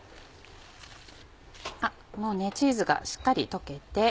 もうチーズがしっかり溶けて。